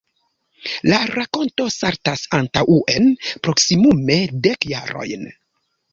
La rakonto saltas antaŭen proksimume dek jarojn.